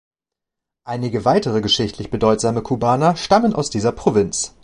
Einige weitere geschichtlich bedeutsame Kubaner stammen aus dieser Provinz.